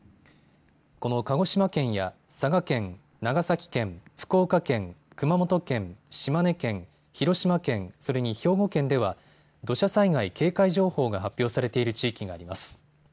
この鹿児島県や佐賀県、長崎県、福岡県、熊本県、島根県、広島県、それに兵庫県では土砂災害警戒情報が発表されている地域があります。